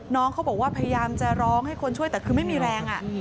น้องเขาบอกว่าพยายามจะร้องให้คนช่วยแต่คือไม่มีแรง